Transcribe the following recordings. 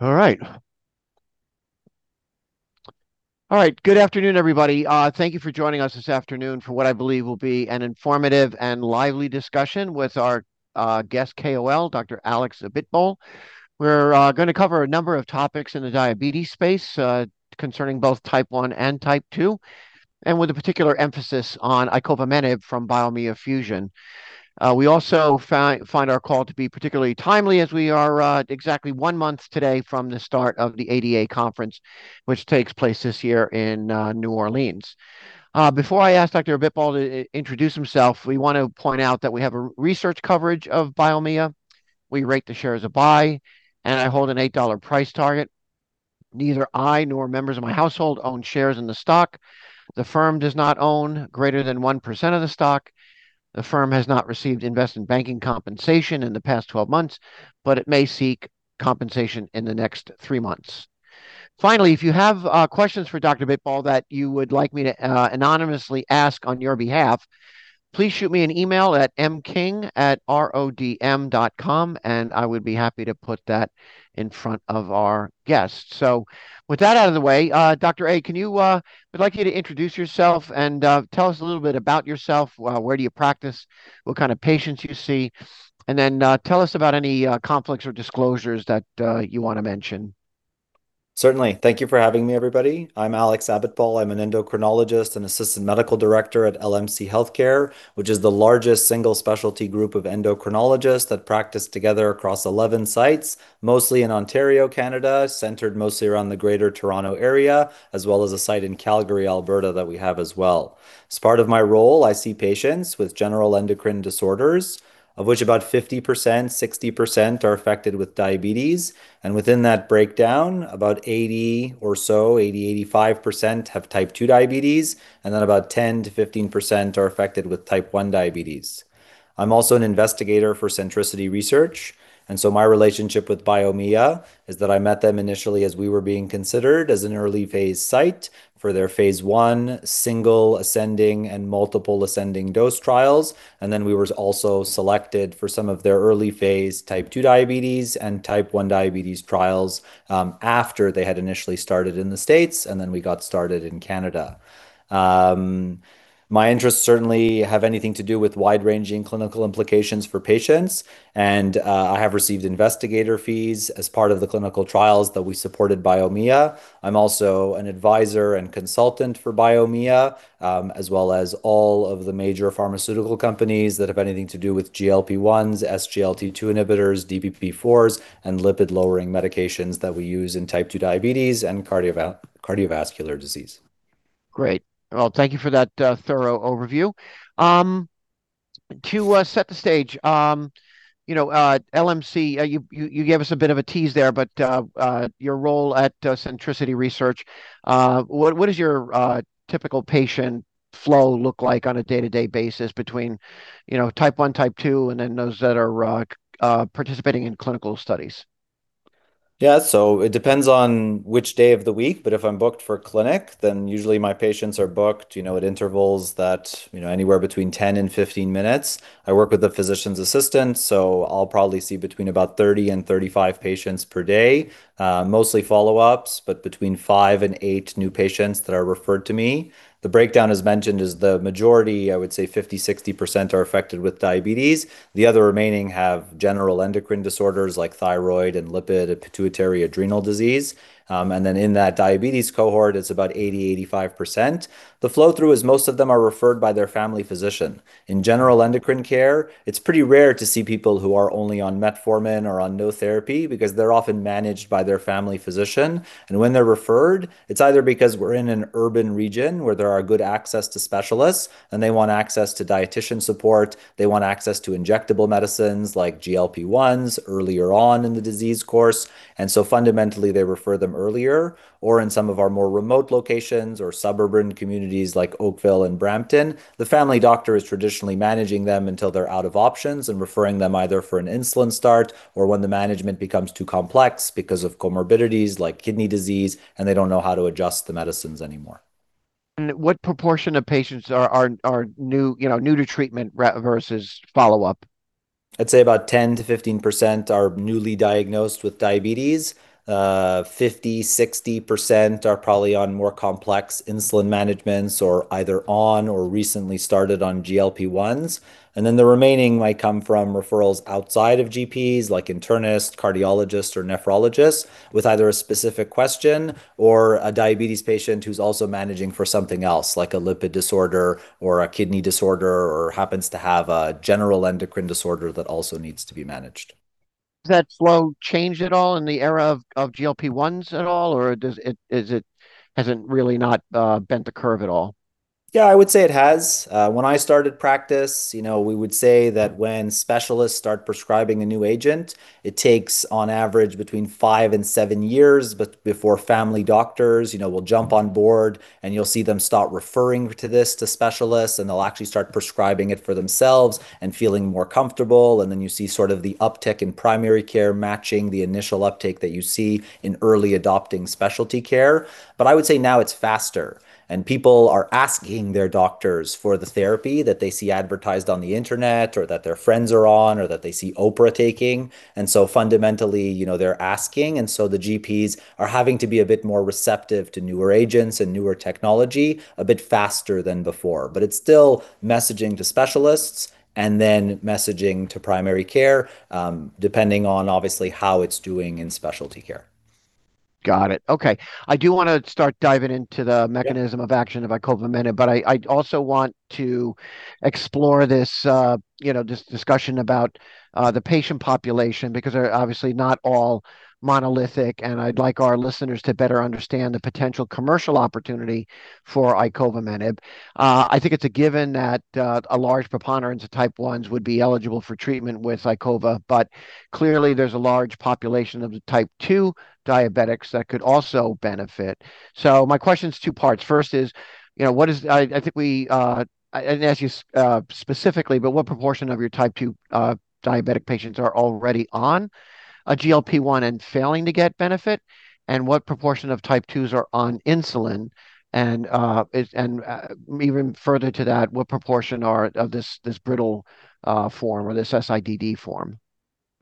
All right. All right, good afternoon, everybody. Thank you for joining us this afternoon for what I believe will be an informative and lively discussion with our guest KOL, Dr. Alexander Abitbol. We're gonna cover a number of topics in the diabetes space concerning both type one and type two, and with a particular emphasis on icovamenib from Biomea Fusion. We also find our call to be particularly timely as we are exactly one month today from the start of the ADA conference, which takes place this year in New Orleans. Before I ask Dr. Alexander Abitbol to introduce himself, we want to point out that we have a research coverage of Biomea Fusion. We rate the shares a buy, and I hold an $8 price target. Neither I nor members of my household own shares in the stock. The firm does not own greater than 1% of the stock. The firm has not received investment banking compensation in the past 12 months, but it may seek compensation in the next three months. Finally, if you have questions for Dr. Abitbol that you would like me to anonymously ask on your behalf, please shoot me an email at mking@rodm.com, and I would be happy to put that in front of our guest. With that out of the way, Dr. Alexander, we'd like you to introduce yourself and tell us a little bit about yourself, where do you practice, what kind of patients you see, and then tell us about any conflicts or disclosures that you want to mention. Certainly. Thank you for having me, everybody. I'm Alexander Abitbol. I'm an endocrinologist and assistant medical director at LMC Healthcare, which is the largest single specialty group of endocrinologists that practice together across 11 sites, mostly in Ontario, Canada, centered mostly around the Greater Toronto Area, as well as a site in Calgary, Alberta, that we have as well. As part of my role, I see patients with general endocrine disorders, of which about 50%, 60% are affected with diabetes, and within that breakdown, about 80% or so, 85% have type two diabetes, and then about 10%-15% are affected with type one diabetes. I'm also an investigator for Centricity Research. My relationship with Biomea Fusion is that I met them initially as we were being considered as an early phase site for their phase I single ascending and multiple ascending dose trials. We were also selected for some of their early phase type two diabetes and type one diabetes trials, after they had initially started in the States and we got started in Canada. My interests certainly have anything to do with wide-ranging clinical implications for patients. I have received investigator fees as part of the clinical trials that we supported Biomea Fusion. I'm also an advisor and consultant for Biomea Fusion, as well as all of the major pharmaceutical companies that have anything to do with GLP-1s, SGLT2 inhibitors, DPP4s, and lipid-lowering medications that we use in type two diabetes and cardiovascular disease. Great. Well, thank you for that thorough overview. To set the stage, LMC you gave us a bit of a tease there, but your role at Centricity Research, what does your typical patient flow look like on a day-to-day basis between, type one, type two, and then those that are participating in clinical studies? It depends on which day of the week, but if I'm booked for clinic, usually my patients are booked at intervals that anywhere between 10 and 15 minutes. I work with a physician's assistant, I'll probably see between 30 and 35 patients per day, mostly follow-ups, but between five and eight new patients that are referred to me. The breakdown, as mentioned, is the majority, I would say 50%, 60% are affected with diabetes. The other remaining have general endocrine disorders like thyroid and lipid and pituitary adrenal disease. In that diabetes cohort, it's 80%, 85%. The flow-through is most of them are referred by their family physician. In general endocrine care, it's pretty rare to see people who are only on metformin or on no therapy because they're often managed by their family physician, and when they're referred, it's either because we're in an urban region where there are good access to specialists and they want access to dietician support, they want access to injectable medicines like GLP-1s earlier on in the disease course, and so fundamentally, they refer them earlier, or in some of our more remote locations or suburban communities like Oakville and Brampton, the family doctor is traditionally managing them until they're out of options and referring them either for an insulin start or when the management becomes too complex because of comorbidities like kidney disease, and they don't know how to adjust the medicines anymore. What proportion of patients are new, you know, new to treatment versus follow-up? I'd say about 10%-15% are newly diagnosed with diabetes. 50%-60% are probably on more complex insulin managements or either on or recently started on GLP-1s. The remaining might come from referrals outside of GPs, like internists, cardiologists, or nephrologists, with either a specific question or a diabetes patient who's also managing for something else, like a lipid disorder or a kidney disorder or happens to have a general endocrine disorder that also needs to be managed. Has that flow changed at all in the era of GLP-1s at all, or does it, is it, has it really not bent the curve at all? Yeah, I would say it has. When I started practice, you know, we would say that when specialists start prescribing a new agent, it takes on average between five and seven years before family doctors, you know, will jump on board, and you'll see them start referring to this to specialists, and they'll actually start prescribing it for themselves and feeling more comfortable, and then you see sort of the uptick in primary care matching the initial uptake that you see in early adopting specialty care. I would say now it's faster, and people are asking their doctors for the therapy that they see advertised on the internet or that their friends are on or that they see Oprah Winfrey taking. Fundamentally, you know they're asking, the GPs are having to be a bit more receptive to newer agents and newer technology a bit faster than before. It's still messaging to specialists and then messaging to primary care, depending on obviously how it's doing in specialty care. Got it. Okay. I do wanna start. Yeah Mechanism of action of icovamenib, I also want to explore this, you know, this discussion about the patient population, because they're obviously not all monolithic, and I'd like our listeners to better understand the potential commercial opportunity for icovamenib. I think it's a given that a large preponderance of type one would be eligible for treatment with icova, clearly there's a large population of the type two diabetics that could also benefit. My question's two parts. First is, you know, I didn't ask you specifically, but what proportion of your type two diabetic patients are already on a GLP-1 and failing to get benefit, and what proportion of type twos are on insulin, and even further to that, what proportion are of this brittle form or this SIDD form?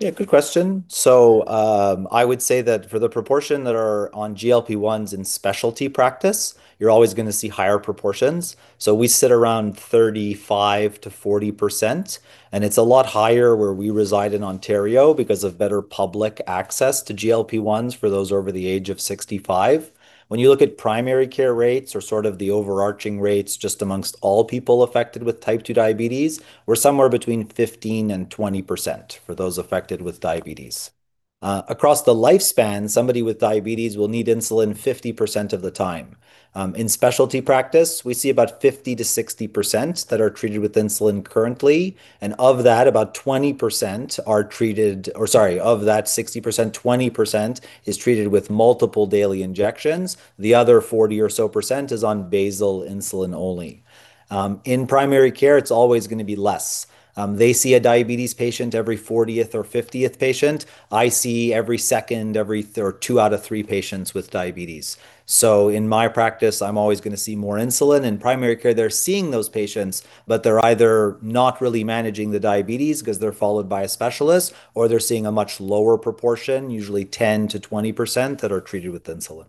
Yeah, good question. I would say that for the proportion that are on GLP-1s in specialty practice, you're always gonna see higher proportions. We sit around 35%-40%, and it's a lot higher where we reside in Ontario because of better public access to GLP-1s for those over the age of 65. When you look at primary care rates or sort of the overarching rates just amongst all people affected with type two diabetes, we're somewhere between 15%-20% for those affected with diabetes. Across the lifespan, somebody with diabetes will need insulin 50% of the time. In specialty practice, we see about 50%-60% that are treated with insulin currently, and of that, about 20% are treated or sorry, of that 60%, 20% is treated with multiple daily injections. The other 40% or so is on basal insulin only. In primary care, it's always gonna be less. They see a diabetes patient every 40th or 50th patient. I see every second, or two out of three patients with diabetes. In my practice, I'm always gonna see more insulin. In primary care, they're seeing those patients, but they're either not really managing the diabetes cause they're followed by a specialist, or they're seeing a much lower proportion, usually 10%-20%, that are treated with insulin.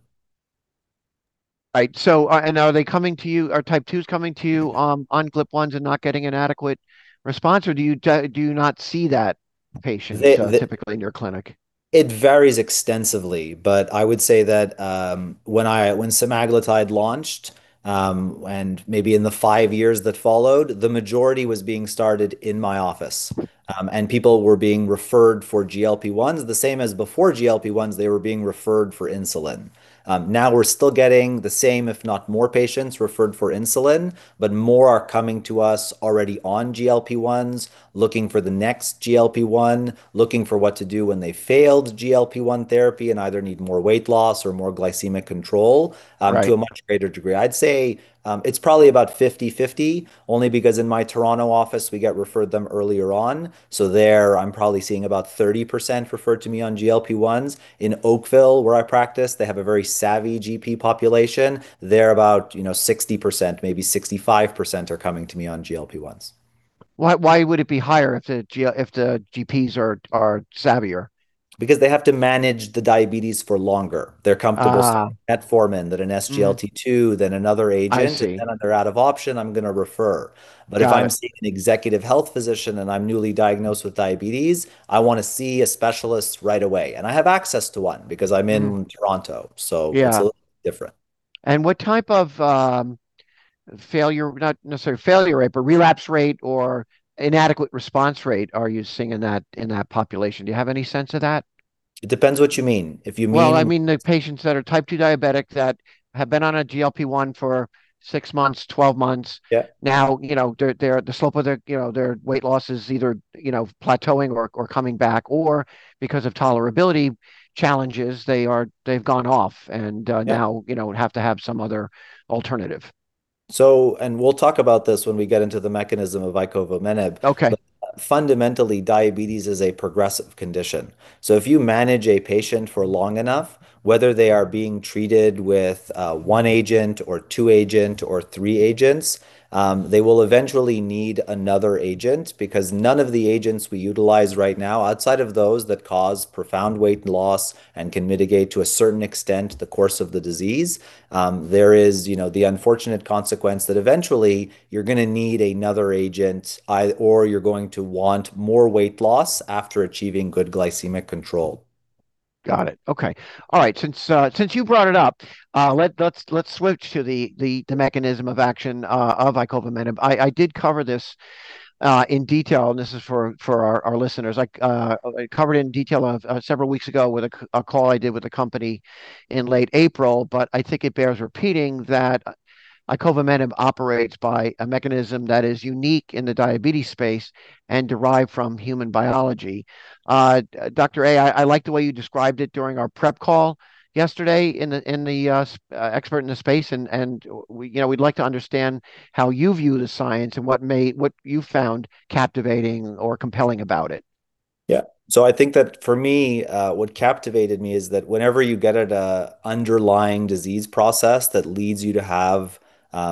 Right. Are they coming to you, are type twos coming to you, on GLP-1s and not getting an adequate response, or do you not see that patient? They, they- Typically, SITID in your clinic? It varies extensively, but I would say that, when semaglutide launched, and maybe in the five years that followed, the majority was being started in my office. People were being referred for GLP-1, the same as before GLP-1, they were being referred for insulin. Now we're still getting the same if not more patients referred for insulin, more are coming to us already on GLP-1s, looking for the next GLP-1, looking for what to do when they failed GLP-1 therapy and either need more weight loss or more glycemic control. Right. To a much greater degree. I'd say, it's probably about 50/50, only because in my Toronto office we get referred them earlier on, so there I'm probably seeing about 30% referred to me on GLP-1s. In Oakville, where I practice, they have a very savvy GP population. They're about 60%, maybe 65% are coming to me on GLP-1s. Why would it be higher if the GPs are savvier? They have to manage the diabetes for longer. They're comfortable starting metformin, then an SGLT2- then another agent. I see. When they're out of option, I'm gonna refer. Got it. If I'm seeing an executive health physician and I'm newly diagnosed with diabetes, I wanna see a specialist right away, and I have access to one because I'm in. Toronto, so- Yeah It's a little bit different. What type of failure, not necessarily failure rate, but relapse rate or inadequate response rate are you seeing in that, in that population? Do you have any sense of that? It depends what you mean. If you mean. I mean the patients that are type two diabetic that have been on a GLP-1 for six months, 12 months. Yeah. You know, their, the slope of their, you know, their weight loss is either, you know, plateauing or coming back, or because of tolerability challenges, they've gone off. Yeah You know, have to have some other alternative. We'll talk about this when we get into the mechanism of icovamenib. Okay Fundamentally, diabetes is a progressive condition. If you manage a patient for long enough, whether they are being treated with one agent or two agent or three agents, they will eventually need another agent because none of the agents we utilize right now, outside of those that cause profound weight loss and can mitigate to a certain extent the course of the disease, there is, you know, the unfortunate consequence that eventually you're going to need another agent or you're going to want more weight loss after achieving good glycemic control. Got it. Okay. All right. Since you brought it up, let's switch to the mechanism of action of icovamenib. I did cover this in detail, and this is for our listeners. I covered it in detail several weeks ago with a call I did with the company in late April. I think it bears repeating that icovamenib operates by a mechanism that is unique in the diabetes space and derived from human biology. That's right. Dr. Alexander, I like the way you described it during our prep call yesterday in the Expert in the Space, and we, you know, we'd like to understand how you view the science and what you found captivating or compelling about it. Yeah. I think that for me, what captivated me is that whenever you get at a underlying disease process that leads you to have,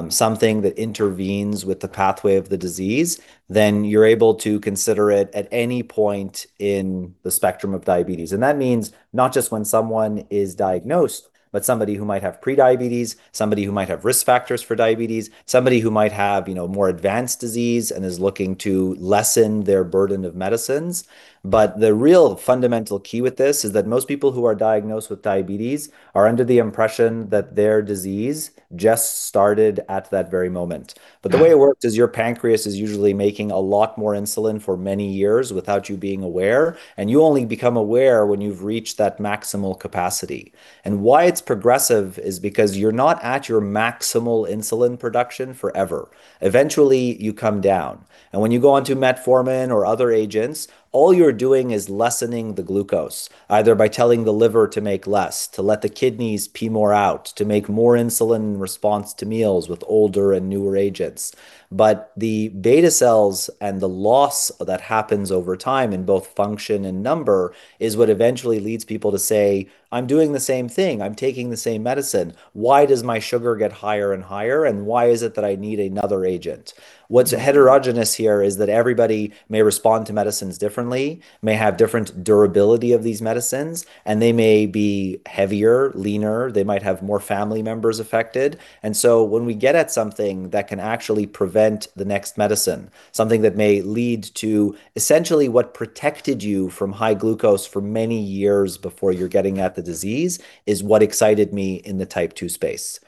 something that intervenes with the pathway of the disease, then you're able to consider it at any point in the spectrum of diabetes, and that means not just when someone is diagnosed, but somebody who might have prediabetes, somebody who might have risk factors for diabetes, somebody who might have, you knowmore advanced disease and is looking to lessen their burden of medicines. The real fundamental key with this is that most people who are diagnosed with diabetes are under the impression that their disease just started at that very moment. The way it works is your pancreas is usually making a lot more insulin for many years without you being aware, and you only become aware when you've reached that maximal capacity. Why it's progressive is because you're not at your maximal insulin production forever. Eventually, you come down. When you go onto metformin or other agents, all you're doing is lessening the glucose, either by telling the liver to make less, to let the kidneys pee more out, to make more insulin in response to meals with older and newer agents. But the beta cells and the loss that happens over time in both function and number is what eventually leads people to say, "I'm doing the same thing. I'm taking the same medicine. Why does my sugar get higher and higher, and why is it that I need another agent?" What's heterogeneous here is that everybody may respond to medicines differently, may have different durability of these medicines, and they may be heavier, leaner, they might have more family members affected. When we get at something that can actually prevent the next medicine, something that may lead to essentially what protected you from high glucose for many years before you're getting at the disease, is what excited me in the type two space.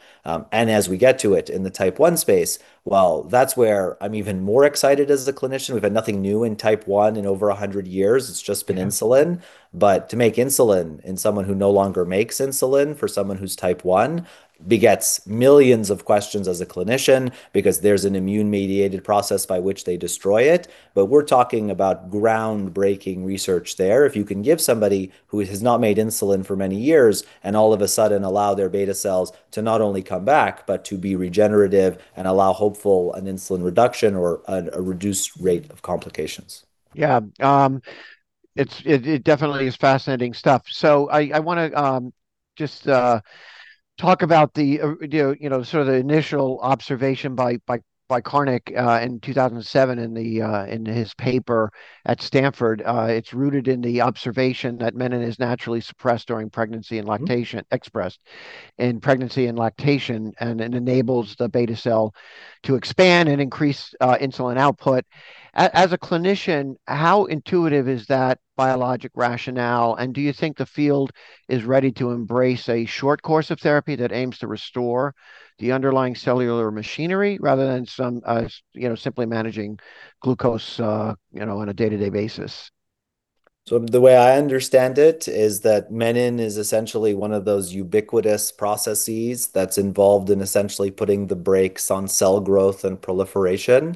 As we get to it in the type one space, well, that's where I'm even more excited as a clinician. We've had nothing new in type one in over 100 years. It's just been insulin. But to make insulin in someone who no longer makes insulin, for someone who's type one, begets millions of questions as a clinician because there's an immune-mediated process by which they destroy it, but we're talking about groundbreaking research there. If you can give somebody who has not made insulin for many years and all of a sudden allow their beta cells to not only come back, but to be regenerative and allow, hopeful, an insulin reduction or a reduced rate of complications. Yeah. It definitely is fascinating stuff. I wanna just talk about the, you know, sort of the initial observation by Satyajit K. Karnik in 2007 in his paper at Stanford. It's rooted in the observation that menin is naturally expressed in pregnancy and lactation and enables the beta cell to expand and increase insulin output. As a clinician, how intuitive is that biologic rationale, and do you think the field is ready to embrace a short course of therapy that aims to restore the underlying cellular machinery rather than some, you know, simply managing glucose, you know, on a day-to-day basis? The way I understand it is that menin is essentially one of those ubiquitous processes that's involved in essentially putting the brakes on cell growth and proliferation.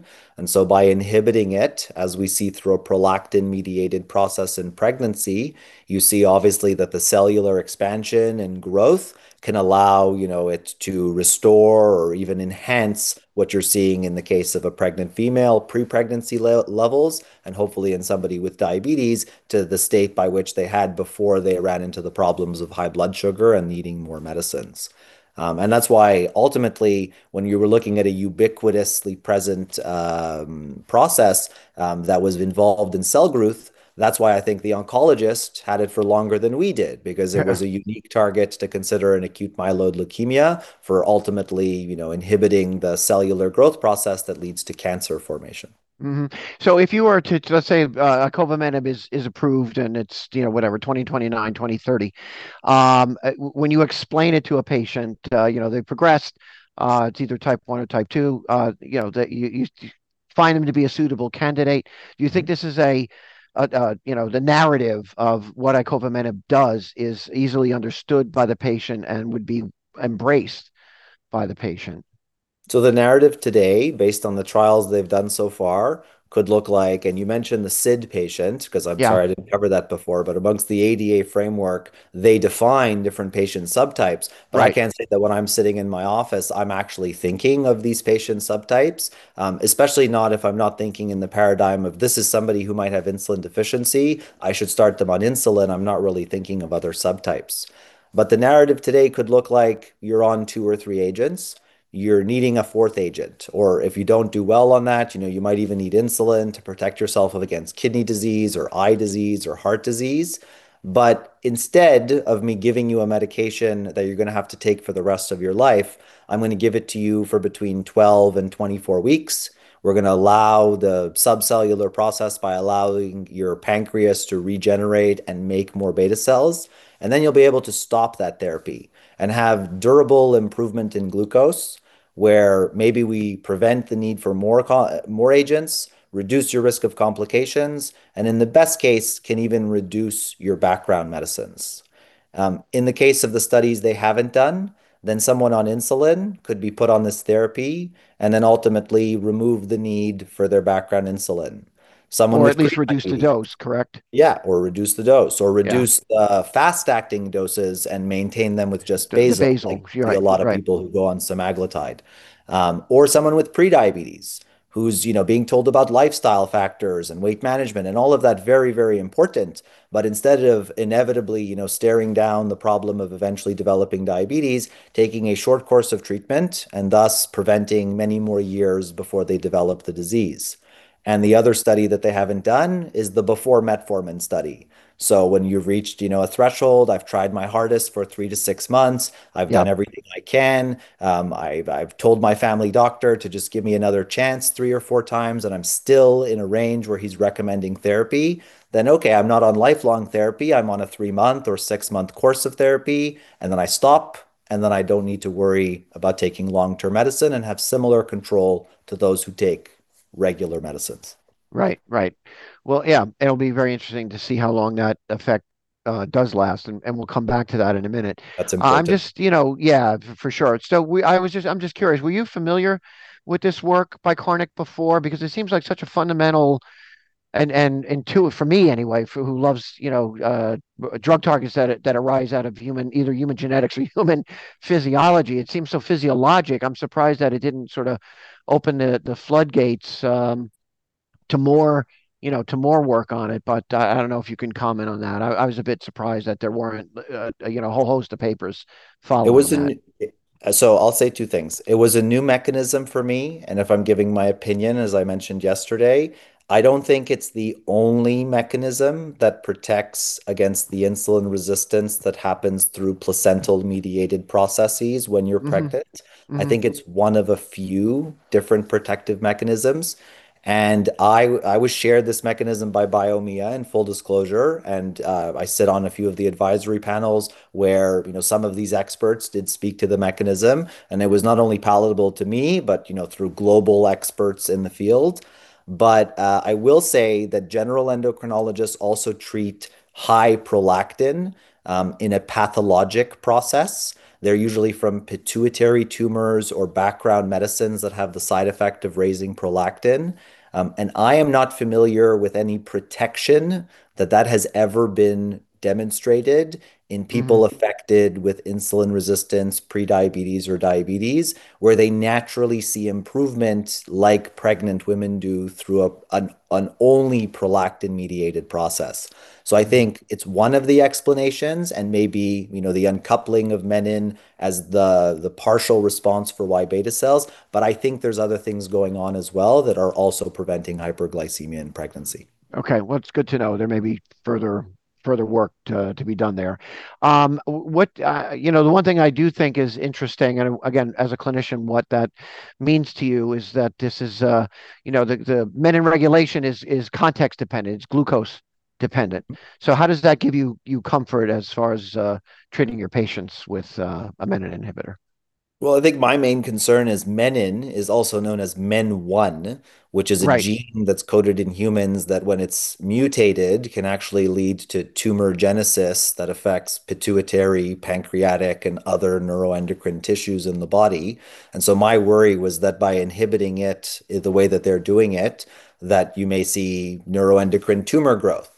By inhibiting it, as we see through a prolactin-mediated process in pregnancy, you see obviously that the cellular expansion and growth can allow, you know, it to restore or even enhance what you're seeing in the case of a pregnant female pre-pregnancy levels, and hopefully in somebody with diabetes to the state by which they had before they ran into the problems of high blood sugar and needing more medicines. That's why ultimately when you were looking at a ubiquitously present process that was involved in cell growth, that's why I think the oncologist had it for longer than we did because it was a unique target to consider an acute myeloid leukemia for ultimately, you know, inhibiting the cellular growth process that leads to cancer formation. If you were to let's say, icovamenib is approved and it's, you know, whatever, 2029, 2030, when you explain it to a patient, you know, they've progressed to either type one or type two, you know, that you find them to be a suitable candidate, do you think this is a, you know, the narrative of what icovamenib does is easily understood by the patient and would be embraced by the patient? The narrative today, based on the trials they've done so far, could look like, and you mentioned the SIDD patient cause I'm sorry. Yeah I didn't cover that before, but amongst the ADA framework, they define different patient subtypes. Right. I can't say that when I'm sitting in my office, I'm actually thinking of these patient subtypes, especially not if I'm not thinking in the paradigm of this is somebody who might have insulin deficiency, I should start them on insulin. I'm not really thinking of other subtypes. The narrative today could look like you're on two or three agents, you're needing a fourth agent. If you don't do well on that, you know, you might even need insulin to protect yourself against kidney disease or eye disease or heart disease. Instead of me giving you a medication that you're gonna have to take for the rest of your life, I'm gonna give it to you for between 12 and 24 weeks. We're gonna allow the subcellular process by allowing your pancreas to regenerate and make more beta cells, and then you'll be able to stop that therapy and have durable improvement in glucose, where maybe we prevent the need for more agents, reduce your risk of complications, and in the best case can even reduce your background medicines. In the case of the studies, they haven't done, then someone on insulin could be put on this therapy and then ultimately remove the need for their background insulin. At least reduce the dose, correct? Yeah, reduce the dose. Yeah The fast-acting doses and maintain them with just basal. The basal. You're right. Right. There are a lot of people who go on semaglutide. Or someone with prediabetes who's, you know, being told about lifestyle factors and weight management and all of that, very, very important, but instead of inevitably, you know, staring down the problem of eventually developing diabetes, taking a short course of treatment and thus preventing many more years before they develop the disease. The other study that they haven't done is the before metformin study. When you've reached, you know, a threshold, I've tried my hardest for three to six months. Yeah I've done everything I can, I've told my family doctor to just give me another chance 3x or 4x and I'm still in a range where he's recommending therapy, then okay, I'm not on lifelong therapy. I'm on a three-month or six-month course of therapy, and then I stop. Then I don't need to worry about taking long-term medicine and have similar control to those who take regular medicines. Right. Right. Well, yeah, it'll be very interesting to see how long that effect does last and we'll come back to that in a minute. That's important. I'm just, you know, for sure. I'm just curious, were you familiar with this work by Karnik before? It seems like such a fundamental and intuitive for me anyway who loves, you know, drug targets that arise out of human, either human genetics or human physiology, it seems so physiologic. I'm surprised that it didn't sort of open the floodgates to more, you know, to more work on it. I don't know if you can comment on that. I was a bit surprised that there weren't, you know, a whole host of papers following on that. I'll say two things. It was a new mechanism for me, and if I'm giving my opinion, as I mentioned yesterday, I don't think it's the only mechanism that protects against the insulin resistance that happens through placental mediated processes when you're pregnant. Mm-hmm. Mm-hmm. I think it's one of a few different protective mechanisms. I was shared this mechanism by Biomea Fusion in full disclosure. I sit on a few of the advisory panels where, you know, some of these experts did speak to the mechanism. It was not only palatable to me, but, you know, through global experts in the field. I will say that general endocrinologists also treat high prolactin in a pathologic process. They're usually from pituitary tumors or background medicines that have the side effect of raising prolactin. I am not familiar with any protection that has ever been demonstrated in people. Affected with insulin resistance, pre-diabetes or diabetes, where they naturally see improvement like pregnant women do through an only prolactin mediated process. I think it's one of the explanations and maybe, you know, the uncoupling of menin as the partial response for why beta cells, but I think there's other things going on as well that are also preventing hyperglycemia in pregnancy. Okay. Well, it's good to know. There may be further work to be done there. What, you know, the one thing I do think is interesting, and again, as a clinician, what that means to you is that this is, you know, the menin regulation is context dependent. It's glucose dependent. How does that give you comfort as far as treating your patients with a menin inhibitor? Well, I think my main concern is menin is also known as MEN1. Right Which is a gene that's coded in humans that when it's mutated can actually lead to tumorigenesis that affects pituitary, pancreatic, and other neuroendocrine tissues in the body. My worry was that by inhibiting it the way that they're doing it, that you may see neuroendocrine tumor growth.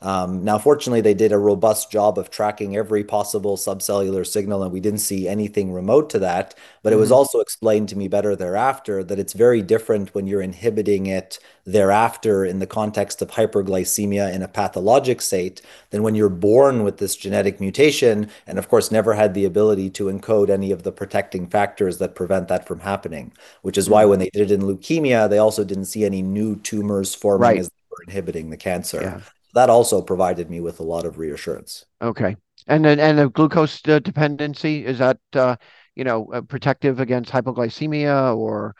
Fortunately, they did a robust job of tracking every possible subcellular signal, and we didn't see anything remote to that. It was also explained to me better thereafter that it's very different when you're inhibiting it thereafter in the context of hyperglycemia in a pathologic state than when you're born with this genetic mutation, and of course never had the ability to encode any of the protecting factors that prevent that from happening. Which is why when they did it in leukemia, they also didn't see any new tumors forming. Right As they were inhibiting the cancer. Yeah. That also provided me with a lot of reassurance. Okay. Then, the glucose dependency, is that, you know, protective against hypoglycemia or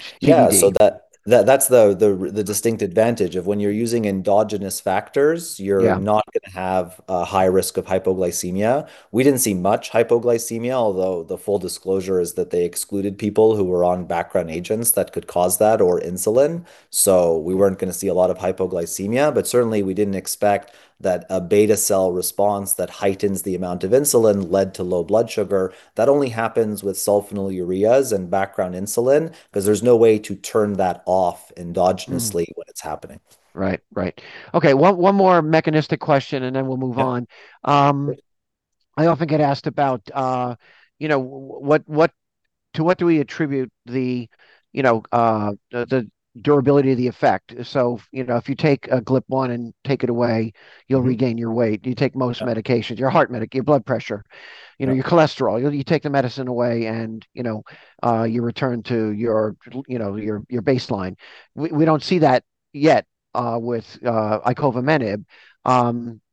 TDD? Yeah, that's the distinct advantage of when you're using endogenous factors. Yeah You're not gonna have a high risk of hypoglycemia. We didn't see much hypoglycemia, although the full disclosure is that they excluded people who were on background agents that could cause that or insulin. We weren't gonna see a lot of hypoglycemia, but certainly we didn't expect that a beta cell response that heightens the amount of insulin led to low blood sugar. That only happens with sulfonylureas and background insulin cause there's no way to turn that off endogenously. When it's happening. Right. Right. Okay, one more mechanistic question and then we'll move on. Yeah. I often get asked about, you know, what, to what do we attribute the, you know, the durability of the effect? You know, if you take a GLP-1 and take it away you'll regain your weight. You take most medications, your heart medic, your blood pressure, you know, your cholesterol, you take the medicine away and, you know, you return to your, you know, your baseline. We don't see that yet with icovamenib.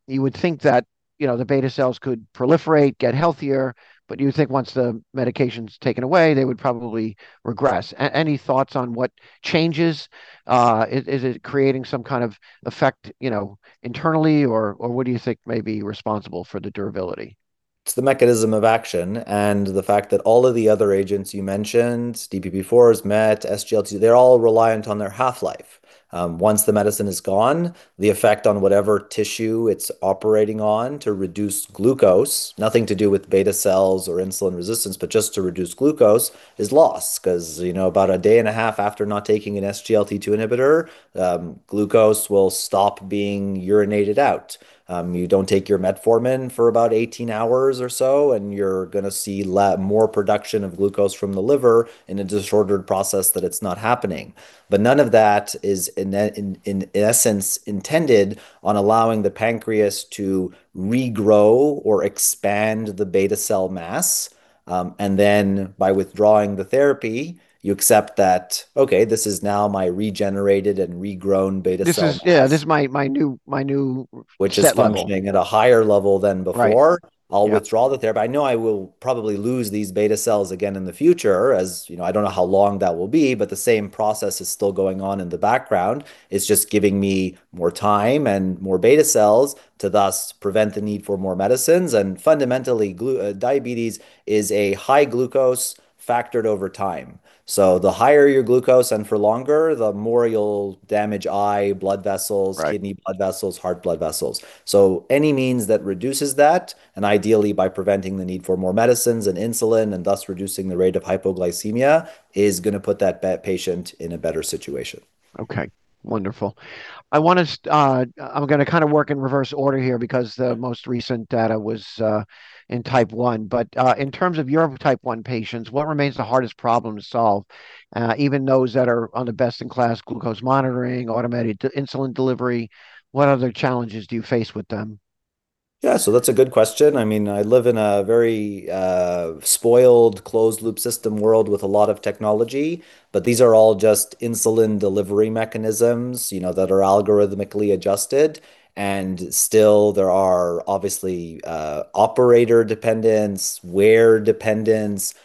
You would think that, you know, the beta cells could proliferate, get healthier, but you would think once the medication's taken away, they would probably regress. Any thoughts on what changes is it creating some kind of effect, you know internally or what do you think may be responsible for the durability? It's the mechanism of action and the fact that all of the other agents you mentioned, DPP4s, MET, SGLT2, they're all reliant on their half-life. Once the medicine is gone, the effect on whatever tissue it's operating on to reduce glucose, nothing to do with beta cells or insulin resistance, but just to reduce glucose, is lost. Cause, you know, about a day and a half after not taking an SGLT2 inhibitor, glucose will stop being urinated out. You don't take your metformin for about 18 hours or so, you're gonna see more production of glucose from the liver in a disordered process that it's not happening. None of that is in essence intended on allowing the pancreas to regrow or expand the beta cell mass. By withdrawing the therapy, you accept that, okay, this is now my regenerated and regrown beta cells. Yeah, this is my new set point. Which is functioning at a higher level than before. Right. Yeah. I'll withdraw the therapy. I know I will probably lose these beta cells again in the future, as, you know, I don't know how long that will be, but the same process is still going on in the background. It's just giving me more time and more beta cells to thus prevent the need for more medicines. Fundamentally, diabetes is a high glucose factored over time. The higher your glucose and for longer, the more you'll damage eye, blood vessels. Right Kidney blood vessels, heart blood vessels. Any means that reduces that, and ideally by preventing the need for more medicines and insulin and thus reducing the rate of hypoglycemia, is going to put that patient in a better situation. Okay. Wonderful. I'm gonna kinda work in reverse order here because the most recent data was in type one. In terms of your type one patients, what remains the hardest problem to solve, even those that are on the best-in-class glucose monitoring, automatic to insulin delivery, what other challenges do you face with them? That's a good question. I mean, I live in a very spoiled closed loop system world with a lot of technology, but these are all just insulin delivery mechanisms, you know, that are algorithmically adjusted, and still there are obviously operator dependence, wear dependence,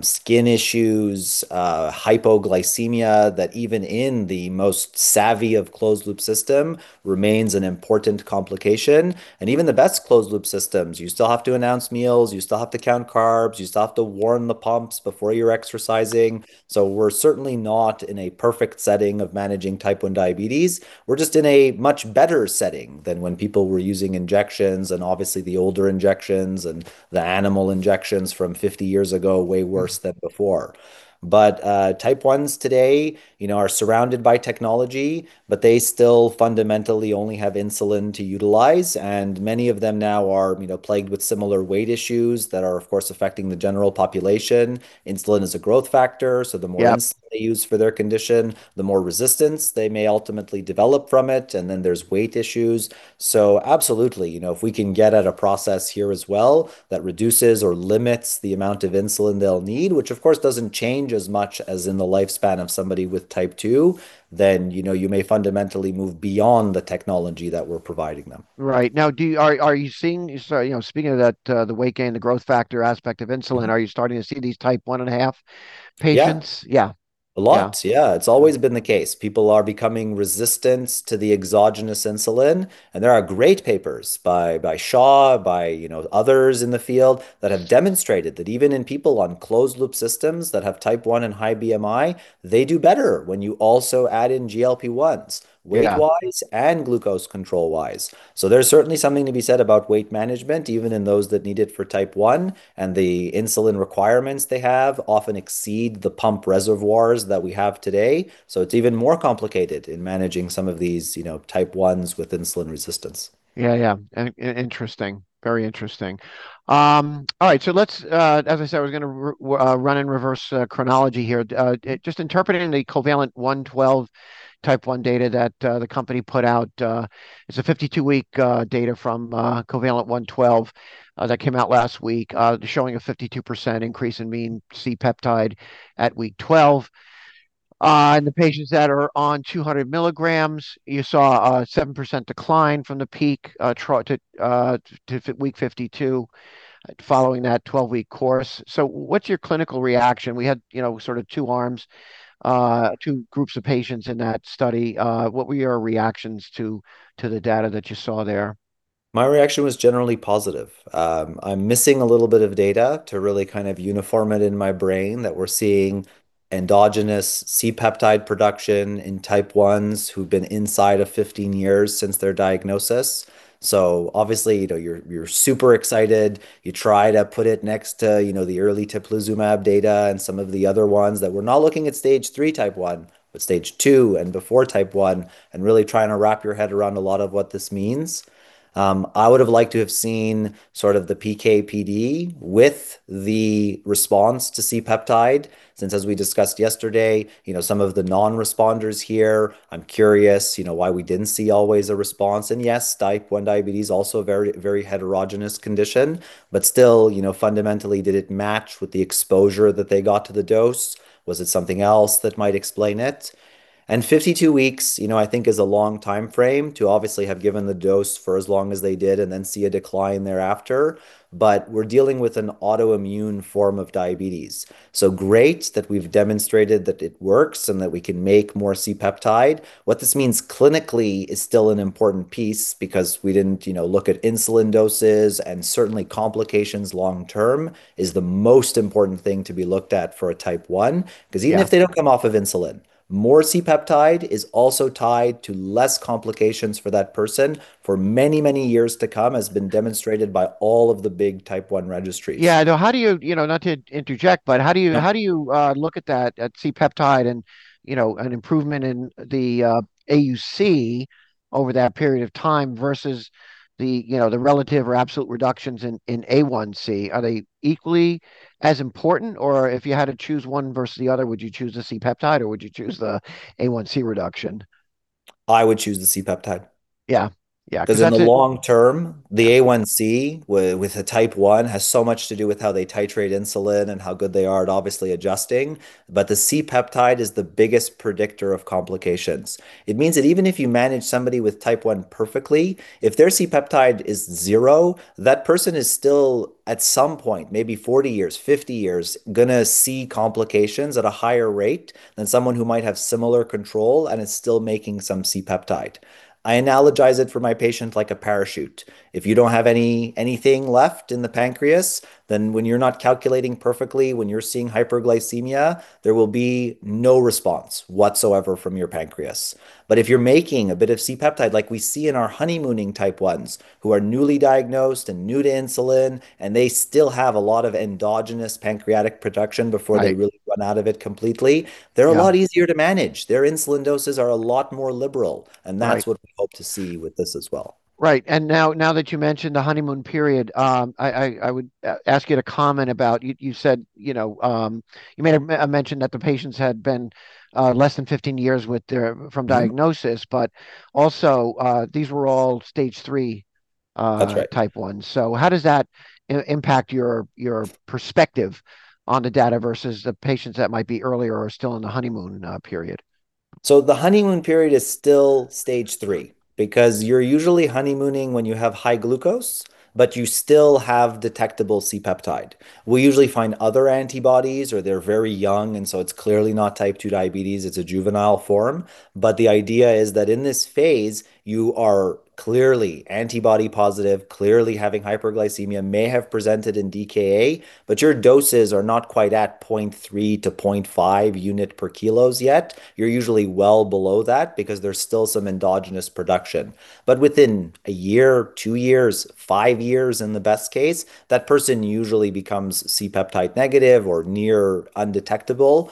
skin issues, hypoglycemia that even in the most savvy of closed loop system remains an important complication. Even the best closed loop systems, you still have to announce meals, you still have to count carbs, you still have to warm the pumps before you're exercising. We're certainly not in a perfect setting of managing type 1 diabetes. We're just in a much better setting than when people were using injections, obviously the older injections and the animal injections from 50 years ago, way worse than before. Type ones today, you know, are surrounded by technology, but they still fundamentally only have insulin to utilize, and many of them now are, you know, plagued with similar weight issues that are, of course, affecting the general population. Insulin is a growth factor. Yeah insulin they use for their condition, the more resistance they may ultimately develop from it, and then there's weight issues. Absolutely, you know, if we can get at a process here as well that reduces or limits the amount of insulin they'll need, which of course doesn't change as much as in the lifespan of somebody with type two, then, you know, you may fundamentally move beyond the technology that we're providing them. Right. Now, are you seeing, you know, speaking of that, the weight gain, the growth factor aspect of insulin, are you starting to see these type one and a half patients? Yeah. Yeah. A lot. Yeah. Yeah. It's always been the case. People are becoming resistant to the exogenous insulin, and there are great papers by Shaw, by, you know, others in the field that have demonstrated that even in people on closed loop systems that have type one and high BMI, they do better when you also add in GLP-1s. Yeah Weight-wise and glucose control-wise. There's certainly something to be said about weight management, even in those that need it for type one, and the insulin requirements they have often exceed the pump reservoirs that we have today. It's even more complicated in managing some of these, you know, type ones with insulin resistance. Yeah, yeah. Interesting. All right, as I said, we're gonna run in reverse chronology here. Just interpreting the COVALENT-112 type one data that the company put out, it's a 52-week data from COVALENT-112 that came out last week, showing a 52% increase in mean C-peptide at week 12. The patients that are on 200 milligrams, you saw a 7% decline from the peak, try to week 52 following that 12-week course. What's your clinical reaction? We had, you know, sort of two arms, two groups of patients in that study. What were your reactions to the data that you saw there? My reaction was generally positive. I'm missing a little bit of data to really kind of uniform it in my brain that we're seeing endogenous C-peptide production in type ones who've been inside of 15 years since their diagnosis. Obviously, you know, you're super excited. You try to put it next to, you know, the early teplizumab data and some of the other ones that we're not looking at stage three type one, but stage two and before type one, and really trying to wrap your head around a lot of what this means. I would have liked to have seen sort of the PK/PD with the response to C-peptide, since as we discussed yesterday, you know, some of the non-responders here, I'm curious, you know, why we didn't see always a response. Yes, type 1 diabetes also a very, very heterogeneous condition, but still, you know, fundamentally did it match with the exposure that they got to the dose? Was it something else that might explain it? 52 weeks, you know, I think is a long timeframe to obviously have given the dose for as long as they did and then see a decline thereafter. We're dealing with an autoimmune form of diabetes, so great that we've demonstrated that it works and that we can make more C-peptide. What this means clinically is still an important piece because we didn't, you know, look at insulin doses and certainly complications long term is the most important thing to be looked at for a type one. Yeah If they don't come off of insulin, more C-peptide is also tied to less complications for that person for many, many years to come, as been demonstrated by all of the big type one registries. Yeah, I know. How do you know, not to interject, but how do you. No How do you look at that, at C-peptide and, you know, an improvement in the AUC over that period of time versus the, you know, the relative or absolute reductions in A1C? Are they equally as important, or if you had to choose one versus the other, would you choose the C-peptide or would you choose the A1C reduction? I would choose the C-peptide. Yeah. Because in the long term, the A1C with a type onehas so much to do with how they titrate insulin and how good they are at obviously adjusting. The C-peptide is the biggest predictor of complications. It means that even if you manage somebody with type one perfectly, if their C-peptide is zero, that person is still at some point, maybe 40 years, 50 years, going to see complications at a higher rate than someone who might have similar control and is still making some C-peptide. I analogize it for my patients like a parachute. If you don't have anything left in the pancreas, then when you're not calculating perfectly, when you're seeing hyperglycemia, there will be no response whatsoever from your pancreas. If you're making a bit of C-peptide, like we see in our honeymooning type ones who are newly diagnosed and new to insulin and they still have a lot of endogenous pancreatic production before. Right They really run out of it completely. Yeah They're a lot easier to manage. Their insulin doses are a lot more liberal. Right. That's what we hope to see with this as well. Right. Now that you mention the honeymoon period. Yeah I would ask you to comment about you said, you know, you made a mention that the patients had been less than 15 years with their from diagnosis. Also, these were all stage three. That's right. Type ones. How does that impact your perspective on the data versus the patients that might be earlier or still in the honeymoon period? The honeymoon period is still stage three, because you're usually honeymooning when you have high glucose, but you still have detectable C-peptide. We usually find other antibodies or they're very young, it's clearly not type two diabetes, it's a juvenile form. The idea is that in this phase, you are clearly antibody positive, clearly having hyperglycemia, may have presented in DKA, but your doses are not quite at 0.3-0.5 unit per kilos yet. You're usually well below that because there's still some endogenous production. Within one year, two years, five years in the best case, that person usually becomes C-peptide negative or near undetectable,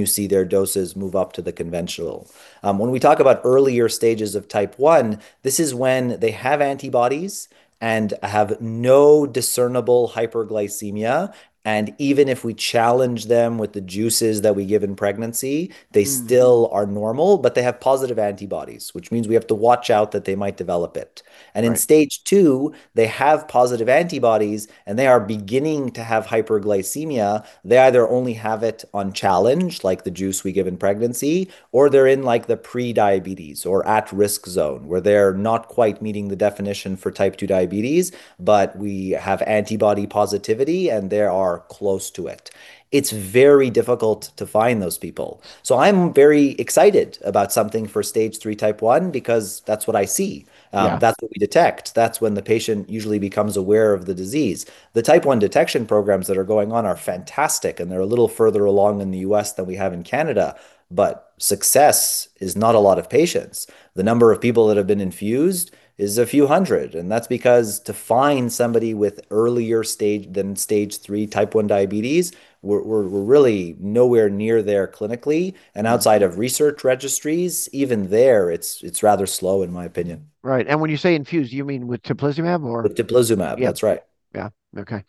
you see their doses move up to the conventional. When we talk about earlier stages of type one, this is when they have antibodies and have no discernible hyperglycemia, and even if we challenge them with the juices that we give in pregnancy. They still are normal, but they have positive antibodies, which means we have to watch out that they might develop it. Right. In stage two, they have positive antibodies and they are beginning to have hyperglycemia. They either only have it on challenge, like the juice we give in pregnancy, or they're in, like, the pre-diabetes or at-risk zone, where they're not quite meeting the definition for type two diabetes, but we have antibody positivity and they are close to it. It's very difficult to find those people. I'm very excited about something for stage three type one because that's what I see. Yeah. That's what we detect. That's when the patient usually becomes aware of the disease. The type one detection programs that are going on are fantastic, and they're a little further along in the U.S. than we have in Canada, but success is not a lot of patients. The number of people that have been infused is a few hundred, and that's because to find somebody with earlier stage than stage three type one diabetes, we're really nowhere near there clinically. Outside of research registries, even there it's rather slow in my opinion. Right. When you say infused, you mean with teplizumab? With teplizumab. Yeah. That's right. Yeah. Okay.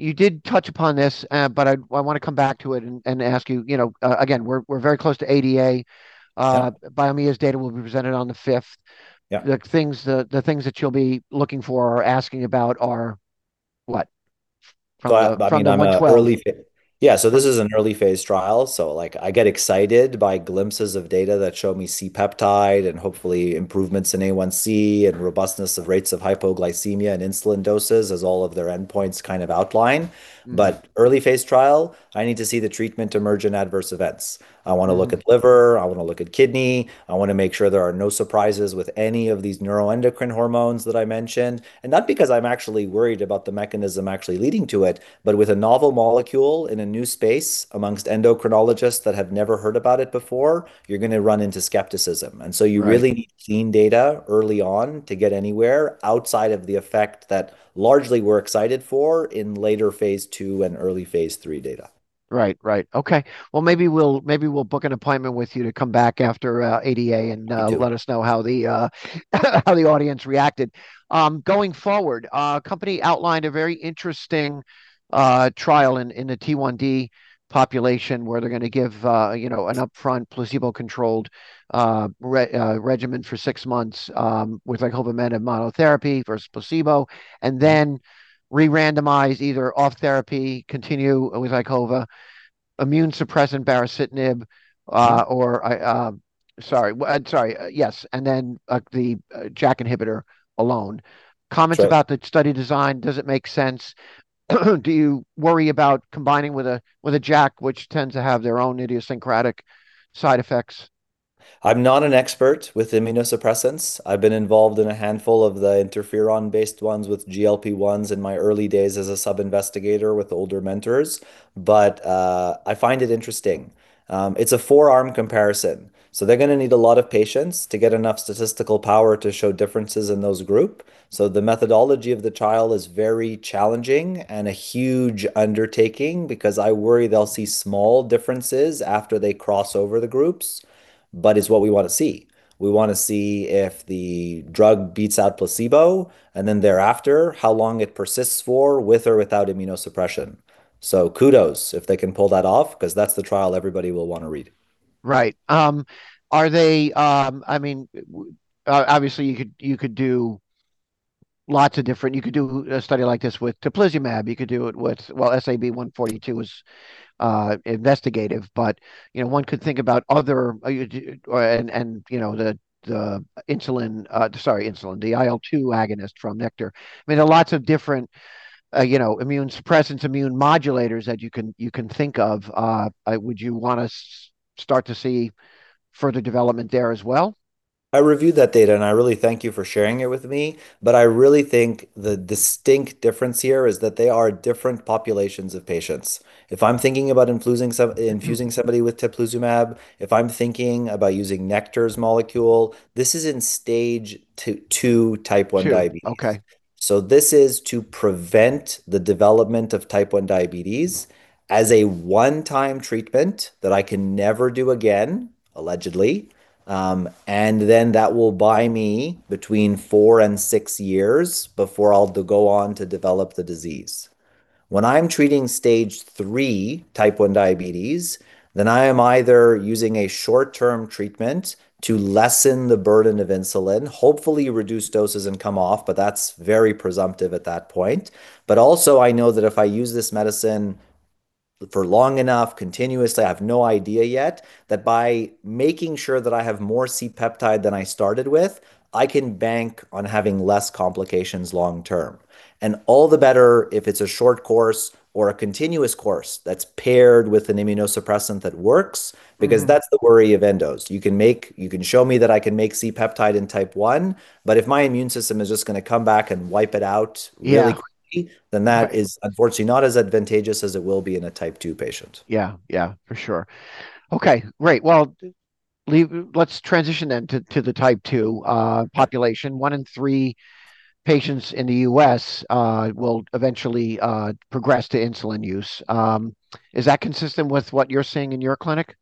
You did touch upon this, but I wanna come back to it and ask you know, again, we're very close to ADA. Yeah. Biomea Fusion's data will be presented on the 5th. Yeah. The things, the things that you'll be looking for or asking about are what? From the 12th. I mean, I'm an early yeah, so this is an early phase trial, so, like, I get excited by glimpses of data that show me C-peptide and hopefully improvements in A1C and robustness of rates of hypoglycemia and insulin doses as all of their endpoint's kind of outline. Early phase trial, I need to see the Treatment-Emergent Adverse Events. I wanna look at liver, I wanna look at kidney, I wanna make sure there are no surprises with any of these neuroendocrine hormones that I mentioned. Not because I'm actually worried about the mechanism actually leading to it, but with a novel molecule in a new space amongst endocrinologists that have never heard about it before, you're gonna run into skepticism. Right. You really need clean data early on to get anywhere outside of the effect that largely we're excited for in later phase II and early phase III data. Right. Right. Okay. Well, maybe we'll book an appointment with you to come back after ADA. We do it. Let us know how the audience reacted. Going forward, a company outlined a very interesting trial in the T1D population where they're gonna give, you know, an upfront placebo-controlled regimen for six months with icovamenib monotherapy versus placebo, and then re-randomize either off therapy, continue with icova, immune suppressant baricitinib. Sorry, yes, the JAK inhibitor alone. Sure. Comment about the study design. Does it make sense? Do you worry about combining with a, with a JAK, which tends to have their own idiosyncratic side effects? I'm not an expert with immunosuppressants. I've been involved in a handful of the interferon-based ones with GLP-1s in my early days as a sub-investigator with older mentors. I find it interesting. It's a four-arm comparison, they're gonna need a lot of patients to get enough statistical power to show differences in those groups. The methodology of the trial is very challenging and a huge undertaking, because I worry they'll see small differences after they cross over the groups, but it's what we wanna see. We wanna see if the drug beats out placebo, and then thereafter, how long it persists for with or without immunosuppression. Kudos if they can pull that off, cause that's the trial everybody will wanna read. Right. I mean, obviously you could do a study like this with teplizumab, you could do it with, well, SAB-142 was investigative, but, you know, one could think about other, you know, the IL-2 agonist from Nektar. I mean, there are lots of different, you know, immune suppressants, immune modulators that you can think of. Would you wanna start to see further development there as well? I reviewed that data, and I really thank you for sharing it with me, but I really think the distinct difference here is that they are different populations of patients. If I'm thinking about infusing somebody with teplizumab, if I'm thinking about using Nektar's molecule, this is in stage two type one diabetes. Two, okay. This is to prevent the development of type one diabetes as a one-time treatment that I can never do again, allegedly, and then that will buy me between four and six years before I'll go on to develop the disease. When I'm treating stage three type one diabetes, I am either using a short-term treatment to lessen the burden of insulin, hopefully reduce doses and come off, but that's very presumptive at that point. I know that if I use this medicine for long enough, continuously, I have no idea yet, that by making sure that I have more C-peptide than I started with, I can bank on having less complications long term, and all the better if it's a short course or a continuous course that's paired with an immunosuppressant that works. That's the worry of endos. You can show me that I can make C-peptide in type one, if my immune system is just gonna come back and wipe it out really quickly. Yeah That is unfortunately not as advantageous as it will be in a type two patient. Yeah, yeah, for sure. Okay, great. Well, let's transition to the type two population. One in three patients in the U.S. will eventually progress to insulin use. Is that consistent with what you're seeing in your clinic?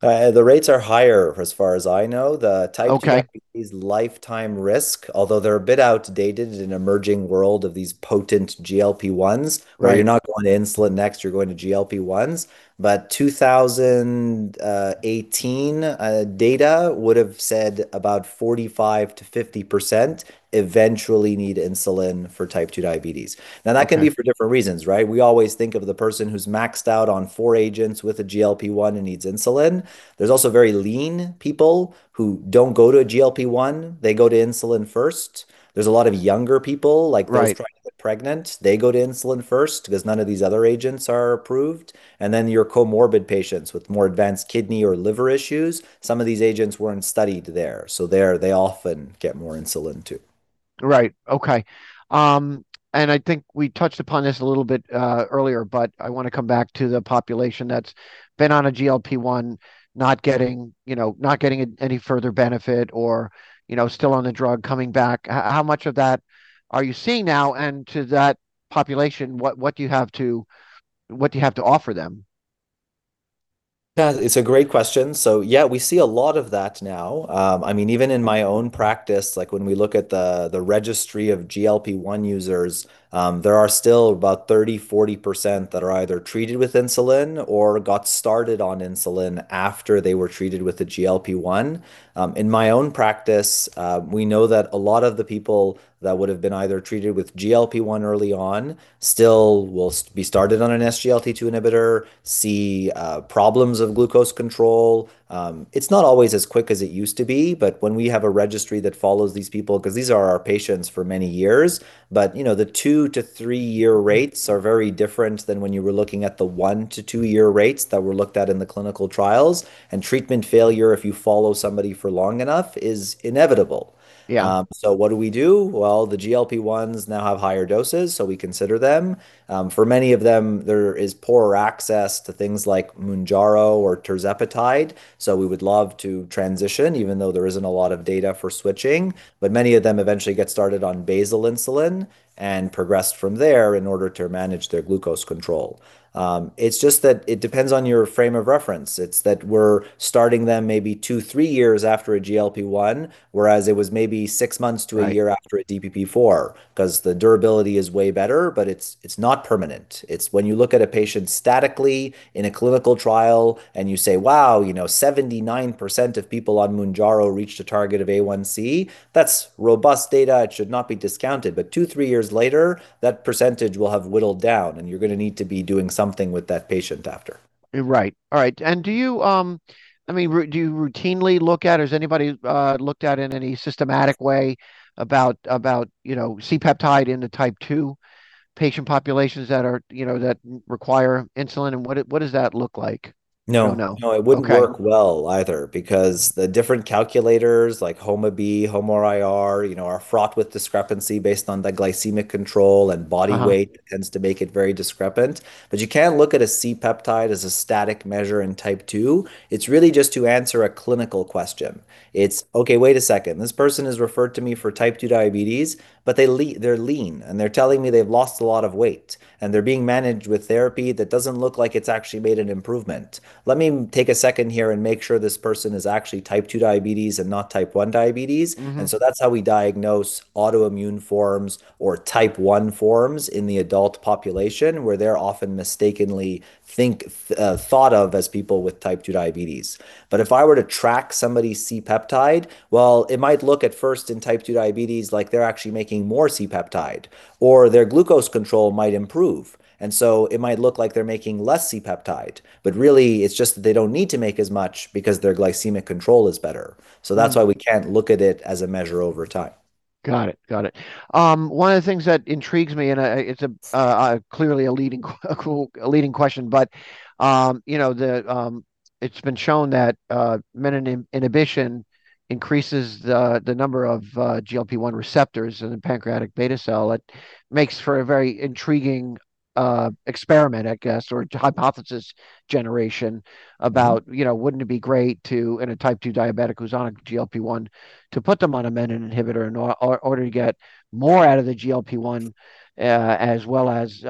The rates are higher as far as I know. The type two. Okay Diabetes lifetime risk, although they're a bit outdated in an emerging world of these potent GLP-1s. Right where you're not going to insulin next, you're going to GLP-1s. 2018 data would've said about 45%-50% eventually need insulin for type two diabetes. Okay. That can be for different reasons, right? We always think of the person who's maxed out on four agents with a GLP-1 and needs insulin. There's also very lean people who don't go to a GLP-1, they go to insulin first. There's a lot of younger people. Right Trying to get pregnant, they go to insulin first because none of these other agents are approved. Your comorbid patients with more advanced kidney or liver issues, some of these agents weren't studied there, so there they often get more insulin too. Right. Okay. I think we touched upon this a little bit earlier, but I want to come back to the population that's been on a GLP-1, not getting, you know, not getting any further benefit or, you know, still on the drug, coming back. How much of that are you seeing now? To that population, what do you have to offer them? It's a great question. We see a lot of that now. Even in my own practice, like when we look at the registry of GLP-1 users, there are still about 30%-40% that are either treated with insulin or got started on insulin after they were treated with a GLP-1. In my own practice, we know that a lot of the people that would've been either treated with GLP-1 early on still will be started on an SGLT2 inhibitor, see problems of glucose control. It's not always as quick as it used to be, but when we have a registry that follows these people, cause these are our patients for many years, but, you know, the two to three-year rates are very different than when you were looking at the one to three-year rates that were looked at in the clinical trials, and treatment failure, if you follow somebody for long enough, is inevitable. Yeah. What do we do? Well, the GLP-1s now have higher doses, we consider them. For many of them, there is poorer access to things like Mounjaro or tirzepatide, we would love to transition even though there isn't a lot of data for switching. Many of them eventually get started on basal insulin and progress from there in order to manage their glucose control. It's just that it depends on your frame of reference. It's that we're starting them maybe two, three years after a GLP-1, whereas it was maybe six months to a year after a DPP4 'cause the durability is way better, it's not permanent. It's when you look at a patient statically in a clinical trial and you say, "Wow, you know, 79% of people on Mounjaro reached a target of A1C," that's robust data, it should not be discounted. Two, three years later, that percentage will have whittled down and you're gonna need to be doing something with that patient after. Right. All right. Do you, I mean, do you routinely look at, has anybody looked at in any systematic way about, you know, C-peptide in the type two patient populations that are, you know, that require insulin, what does that look like? No. I don't know. Okay. No, it wouldn't work well either because the different calculators like HOMA-B, HOMA-IR, you know, are fraught with discrepancy based on the glycemic control and body weight. tends to make it very discrepant. You can't look at a C-peptide as a static measure in type two. It's really just to answer a clinical question. It's, "Okay, wait a second. This person is referred to me for type two diabetes, but they're lean and they're telling me they've lost a lot of weight, and they're being managed with therapy that doesn't look like it's actually made an improvement. Let me take a second here and make sure this person is actually type two diabetes and not type one diabetes. That's how we diagnose autoimmune forms or type one forms in the adult population, where they're often mistakenly think, thought of as people with type two diabetes. If I were to track somebody's C-peptide, well, it might look at first in type two diabetes like they're actually making more C-peptide, or their glucose control might improve, it might look like they're making less C-peptide, but really it's just that they don't need to make as much because their glycemic control is better. That's why we can't look at it as a measure over time. Got it. Got it. One of the things that intrigues me, it's a clearly a leading question, but, you know, it's been shown that menin inhibition increases the number of GLP-1 receptors in the pancreatic beta cell. It makes for a very intriguing experiment, I guess, or hypothesis generation about, you know, wouldn't it be great to, in a type two diabetic who's on a GLP-1, to put them on a menin inhibitor in order to get more out of the GLP-1, as well as,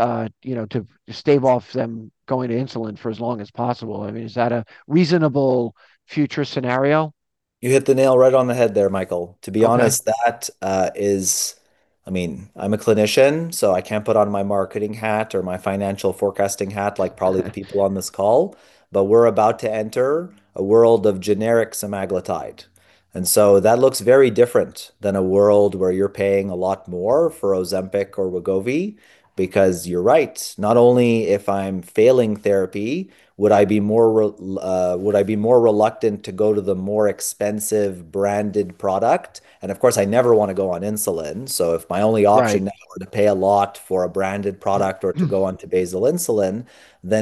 you know, to stave off them going to insulin for as long as possible? I mean, is that a reasonable future scenario? You hit the nail right on the head there, Michael. Okay. To be honest, that, is I mean, I'm a clinician, so I can't put on my marketing hat or my financial forecasting hat like. Okay the people on this call. We're about to enter a world of generic semaglutide. That looks very different than a world where you're paying a lot more for Ozempic or Wegovy, because you're right, not only if I'm failing therapy would I be more reluctant to go to the more expensive branded product. Of course, I never wanna go on insulin. If my only option. Right Now were to pay a lot for a branded product or to go onto basal insulin,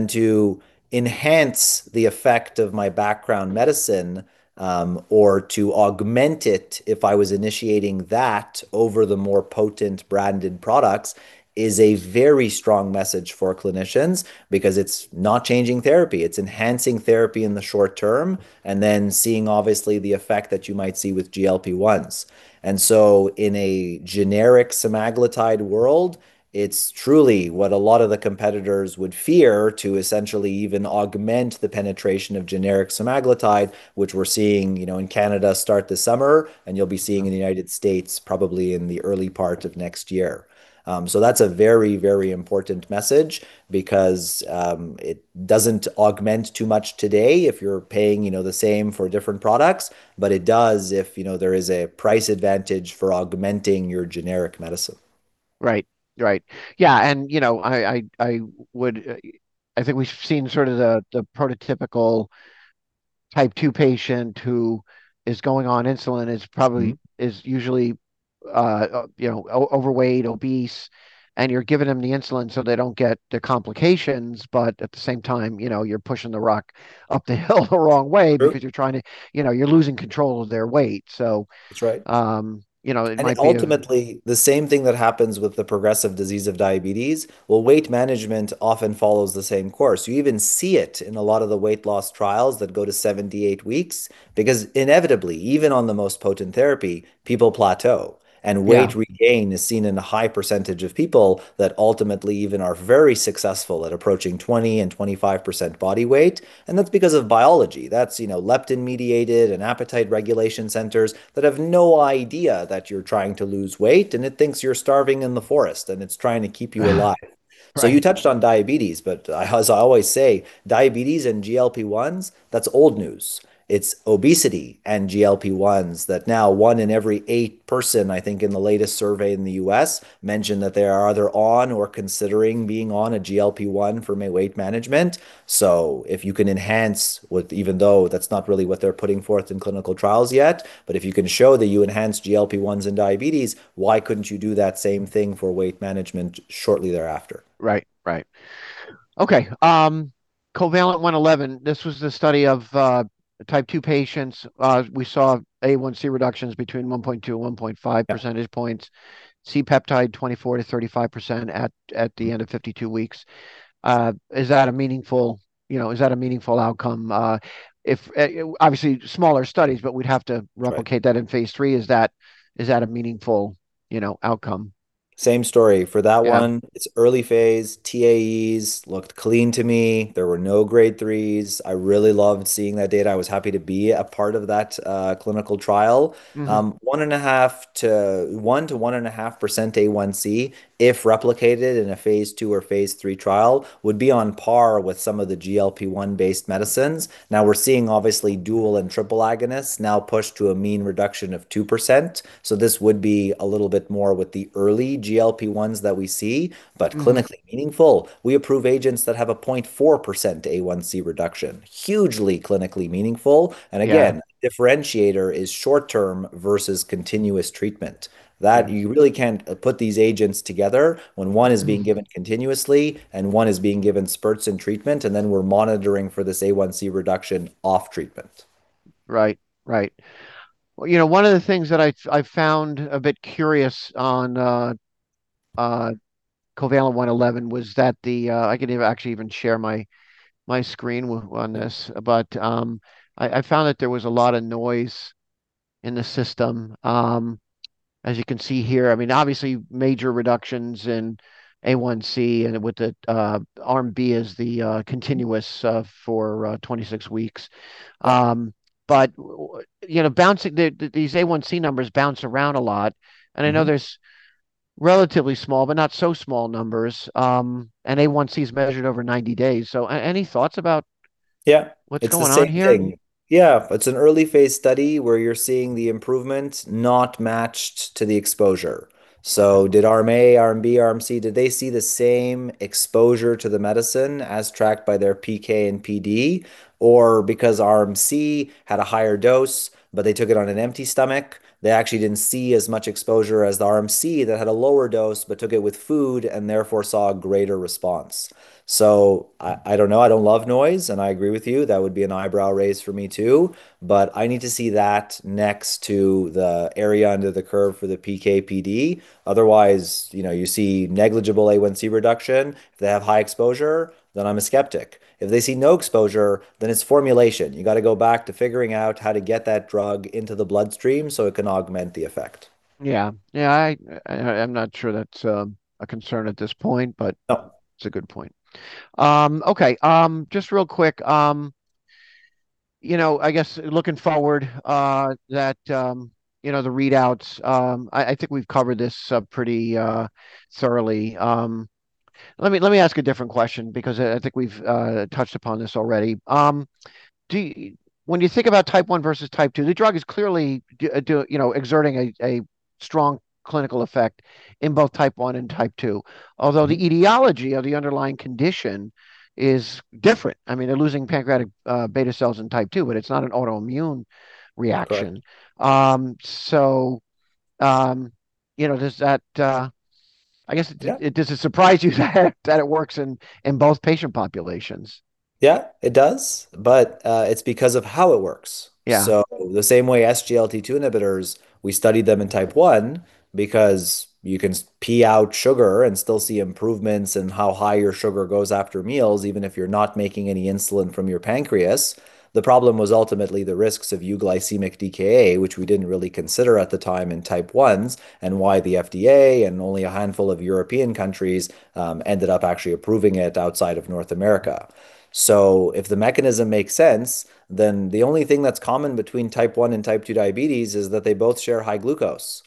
to enhance the effect of my background medicine, or to augment it if I was initiating that over the more potent branded products, is a very strong message for clinicians, because it's not changing therapy. It's enhancing therapy in the short term, seeing obviously the effect that you might see with GLP-1s. In a generic semaglutide world, it's truly what a lot of the competitors would fear to essentially even augment the penetration of generic semaglutide, which we're seeing, you know, in Canada start this summer, and you'll be seeing in the United States probably in the early part of next year. That's a very, very important message, because it doesn't augment too much today if you're paying, you know, the same for different products, but it does if, you know, there is a price advantage for augmenting your generic medicine. Right. Right. Yeah, you know, I would, I think we've seen sort of the prototypical type two patient who is going on insulin is probably. is usually, you know, overweight, obese, and you're giving them the insulin so they don't get the complications, but at the same time, you know, you're pushing the rock up the hill the wrong way. True You're trying to, you know, you're losing control of their weight, so. That's right. Um, you know, it might be- Ultimately, the same thing that happens with the progressive disease of diabetes, well, weight management often follows the same course. You even see it in a lot of the weight loss trials that go to 78 weeks, because inevitably, even on the most potent therapy, people plateau. Yeah weight regain is seen in a high percentage of people that ultimately even are very successful at approaching 20% and 25% body weight. That's because of biology. That's, you know, leptin-mediated and appetite regulation centers that have no idea that you're trying to lose weight. It thinks you're starving in the forest. It's trying to keep you alive. Right. You touched on diabetes, but as I always say, diabetes and GLP-1s, that's old news. It's obesity and GLP-1s that now onein every eight person, I think, in the latest survey in the U.S. mention that they are either on or considering being on a GLP-1 for weight management. If you can enhance what, even though that's not really what they're putting forth in clinical trials yet, but if you can show that you enhance GLP-1s in diabetes, why couldn't you do that same thing for weight management shortly thereafter? Right. Right. Okay, COVALENT-111, this was the study of type two patients. We saw A1C reductions between 1.2 and 1.5 percentage points. Yeah. C-peptide 24%-35% at the end of 52 weeks. Is that a meaningful, you know, is that a meaningful outcome? If, obviously smaller studies, but we'd have to replicate. Right that in phase III. Is that a meaningful, you know, outcome? Same story. Yeah It's early phase, TEAEs looked clean to me. There were no grade threes. I really loved seeing that data. I was happy to be a part of that clinical trial. 1.5%-1%-1.5% A1C, if replicated in a phase II or phase III trial, would be on par with some of the GLP-1 based medicines. Now we're seeing obviously dual and triple agonists now pushed to a mean reduction of 2%. This would be a little bit more with the early GLP-1s that we see. Meaningful. We approve agents that have a 0.4% A1C reduction. Hugely clinically meaningful. Yeah differentiator is short-term versus continuous treatment. You really can't, put these agents together when one is being given continuously and one is being given spurts in treatment, and then we're monitoring for this A1C reduction off treatment. Right. Right. Well, you know, one of the things that I found a bit curious on COVALENT-111 was that the, I can actually even share my screen on this. I found that there was a lot of noise in the system, as you can see here. I mean, obviously major reductions in A1C and with the arm B is the continuous for 26 weeks. You know, bouncing, these A1C numbers bounce around a lot. There's relatively small, but not so small numbers. A1C is measured over 90 days. Any thoughts about. Yeah, it's the same thing. What's going on here? Yeah, it's an early phase study where you're seeing the improvement not matched to the exposure. Did arm A, arm B, arm C, did they see the same exposure to the medicine as tracked by their PK and PD, or because arm C had a higher dose but they took it on an empty stomach, they actually didn't see as much exposure as the arm C that had a lower dose but took it with food and therefore saw a greater response? I don't know. I don't love noise, and I agree with you, that would be an eyebrow raise for me too, but I need to see that next to the area under the curve for the PK/PD. Otherwise, you know, you see negligible A1C reduction. If they have high exposure, then I'm a skeptic. If they see no exposure, then it's formulation. You gotta go back to figuring out how to get that drug into the bloodstream so it can augment the effect. Yeah. Yeah, I'm not sure that's a concern at this point. No It's a good point. Okay. Just real quick, you know, I guess looking forward, that, you know, the readouts, I think we've covered this pretty thoroughly. Let me ask a different question because I think we've touched upon this already. When you think about type one versus type two, the drug is clearly, you know, exerting a strong clinical effect in both type one and type two, although the etiology of the underlying condition is different. I mean, they're losing pancreatic beta cells in type two, but it's not an autoimmune reaction. Right. Um, so, um, you know, does that, uh- Yeah I guess, does it surprise you that it works in both patient populations? Yeah, it does, but it's because of how it works. Yeah. The same way SGLT2 inhibitors, we studied them in type one because you can pee out sugar and still see improvements in how high your sugar goes after meals even if you're not making any insulin from your pancreas. The problem was ultimately the risks of euglycemic DKA, which we didn't really consider at the time in type ones, and why the FDA and only a handful of European countries ended up actually approving it outside of North America. If the mechanism makes sense, then the only thing that's common between type one and type two diabetes is that they both share high glucose.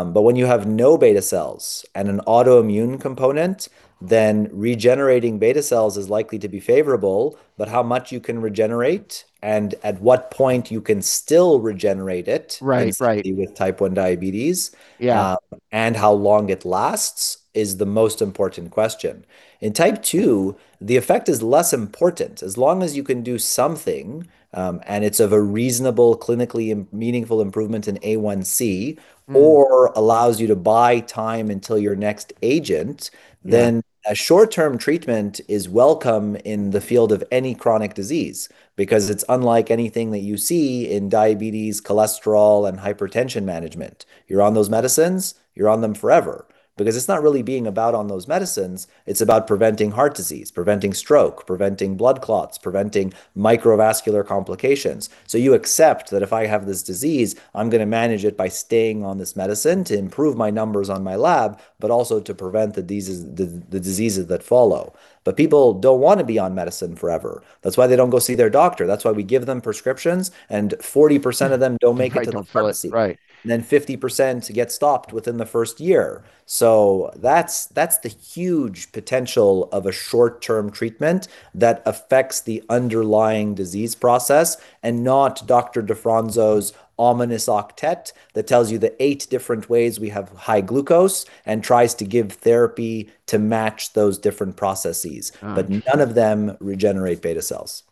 When you have no beta cells and an autoimmune component, then regenerating beta cells is likely to be favorable, but how much you can regenerate and at what point you can still regenerate it. Right, right. especially with type one diabetes. Yeah How long it lasts is the most important question. In type two, the effect is less important. As long as you can do something, it's of a reasonable clinically meaningful improvement in A1C. Or allows you to buy time until your next agent. Yeah A short-term treatment is welcome in the field of any chronic disease, because it's unlike anything that you see in diabetes, cholesterol, and hypertension management. You're on those medicines; you're on them forever. It's not really being about on those medicines, it's about preventing heart disease, preventing stroke, preventing blood clots, preventing microvascular complications. You accept that if I have this disease, I'm gonna manage it by staying on this medicine to improve my numbers on my lab, but also to prevent the diseases that follow. People don't wanna be on medicine forever. That's why they don't go see their doctor. That's why we give them prescriptions, and 40% of them don't make it to the pharmacy. To try to fill it, right. 50% get stopped within the first year. That's the huge potential of a short-term treatment that affects the underlying disease process and not Dr. DeFronzo's Ominous Octet that tells you the eight different ways we have high glucose and tries to give therapy to match those different processes. None of them regenerate beta cells.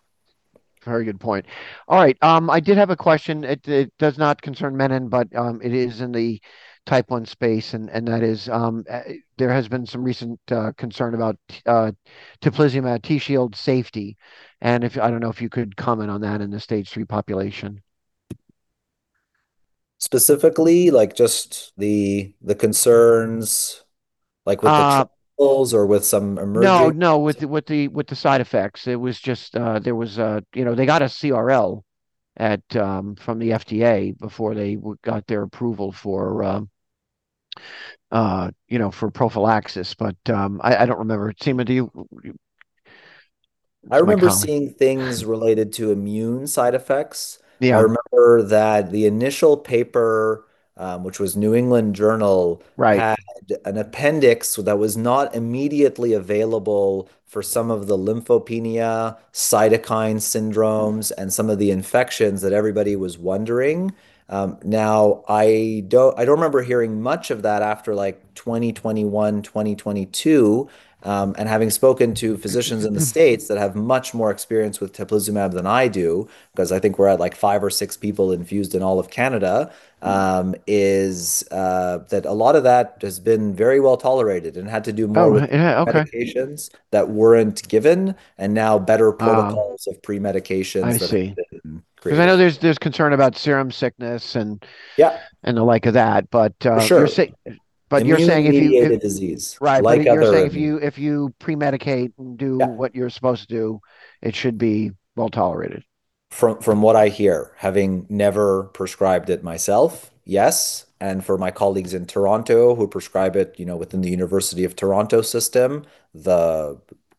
Very good point. All right, I did have a question. It does not concern menin, but it is in the type one space and that is- Right There has been some recent concern about teplizumab Tzield safety, and if I don't know if you could comment on that in the stage three population? Specifically, like just the concerns, like with the. Uh- or with some emerging- No, no, with the side effects. It was just, there was a, you know, they got a CRL at from the FDA before they got their approval for, you know, for prophylaxis, but I don't remember. Seema, do you want to comment? I remember seeing things related to immune side effects. Yeah. I remember that the initial paper, which was New England Journal. Right Had an appendix that was not immediately available for some of the lymphopenia cytokine syndromes and some of the infections that everybody was wondering. Now I don't remember hearing much of that after, like, 2021, 2022, and having spoken to physicians in the States that have much more experience with teplizumab than I do, cause I think we're at, like, five or six people infused in all of Canada, is that a lot of that has been very well-tolerated. Oh, yeah, okay. Medications that weren't given, and now better protocols of pre-medications have been created. I see. I know there's concern about serum sickness and- Yeah And the like of that, but, uh- For sure. You're saying if you. Immune-mediated disease. Right. Like other- You're saying if you pre-medicate and. Yeah What you're supposed to do, it should be well-tolerated. From what I hear, having never prescribed it myself, yes, and for my colleagues in Toronto who prescribe it, you know, within the University of Toronto system,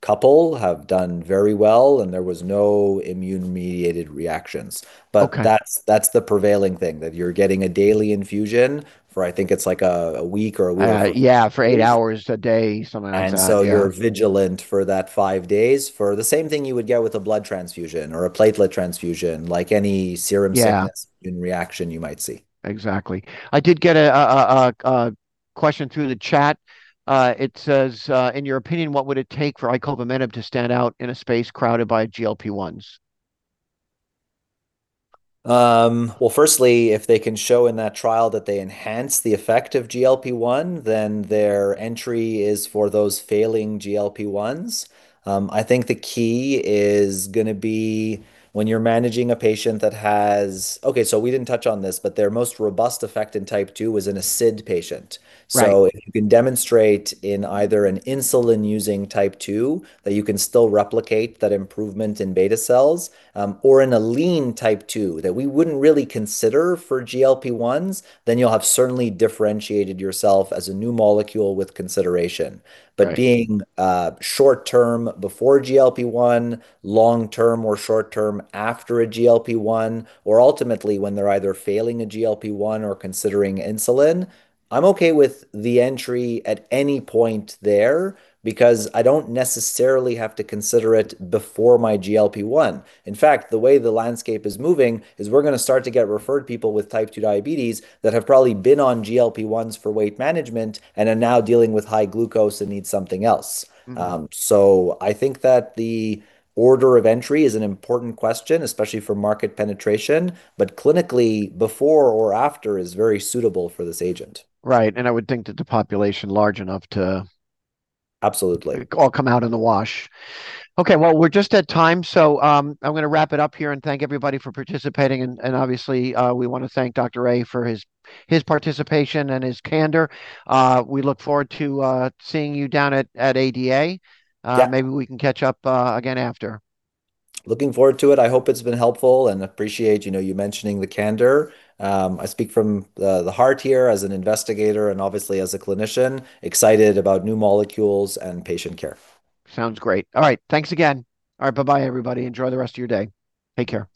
couple have done very well, and there was no immune-mediated reactions. Okay. That's the prevailing thing, that you're getting a daily infusion for, I think it's like a week or a week and a- Yeah, for 8 hours a day, something like that. Yeah. You're vigilant for that five days for the same thing you would get with a blood transfusion or a platelet transfusion, like any serum sickness. Yeah immune reaction you might see. Exactly. I did get a question through the chat. It says, "In your opinion, what would it take for icovamenib to stand out in a space crowded by GLP-1s? Firstly, if they can show in that trial that they enhance the effect of GLP-1, their entry is for those failing GLP-1s. I think the key is gonna be when you're managing a patient that has. We didn't touch on this. Their most robust effect in type two was in a SIDD patient. Right. If you can demonstrate in either an insulin-using type two that you can still replicate that improvement in beta cells, or in a lean type two that we wouldn't really consider for GLP-1s, then you'll have certainly differentiated yourself as a new molecule with consideration. Right. Being short-term before GLP-1, long-term or short-term after a GLP-1, or ultimately when they're either failing a GLP-1 or considering insulin, I'm okay with the entry at any point there because I don't necessarily have to consider it before my GLP-1. In fact, the way the landscape is moving is we're gonna start to get referred people with type two diabetes that have probably been on GLP-1s for weight management and are now dealing with high glucose and need something else. I think that the order of entry is an important question, especially for market penetration, but clinically, before or after is very suitable for this agent. Right, I would think that the population large enough to. Absolutely All come out in the wash. Okay. Well, we're just at time, so I'm gonna wrap it up here and thank everybody for participating, and obviously, we wanna thank Dr. Alexander for his participation and his candor. We look forward to seeing you down at ADA. Yeah. Maybe we can catch up again after. Looking forward to it. I hope it's been helpful, and appreciate, you know, you mentioning the candor. I speak from the heart here as an investigator and obviously as a clinician, excited about new molecules and patient care. Sounds great. All right. Thanks again. All right, bye bye everybody. Enjoy the rest of your day. Take care.